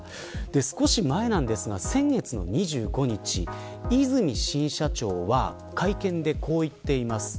少し前ですが、先月の２５日和泉新社長は会見でこう言っています。